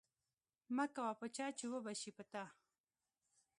مکوه په چا چې وبه شي په تا.